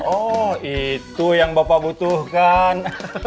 oh itu yang bapak butuhkan